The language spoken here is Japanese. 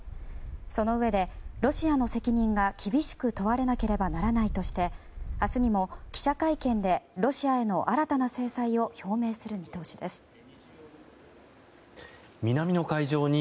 そのうえで、ロシアの責任が厳しく問われなければならないとして明日にも記者会見でロシアへの新たな制裁を表明する見通しです。